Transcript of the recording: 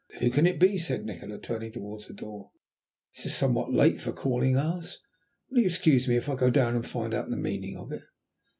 "Who can it be?" said Nikola, turning towards the door. "This is somewhat late for calling hours. Will you excuse me if I go down and find out the meaning of it?"